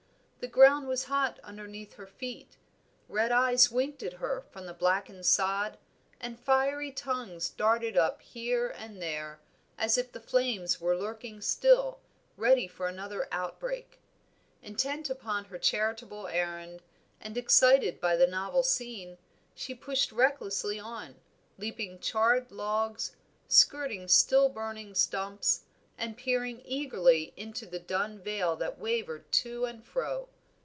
The ground was hot underneath her feet, red eyes winked at her from the blackened sod, and fiery tongues darted up here and there, as if the flames were lurking still, ready for another outbreak. Intent upon her charitable errand, and excited by the novel scene, she pushed recklessly on, leaping charred logs, skirting still burning stumps, and peering eagerly into the dun veil that wavered to and fro.